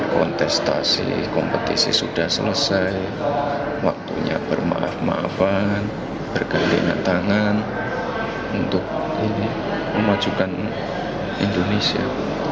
kontestasi kompetisi sudah selesai waktunya permaafan bergantian tangan untuk memajukan indonesia